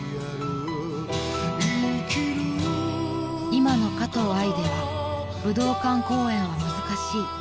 ［今のかとうあいでは武道館公演は難しい］